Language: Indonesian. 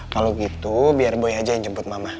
kalau gitu biar boleh aja yang jemput mama